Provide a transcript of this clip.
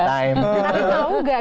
tapi mau gak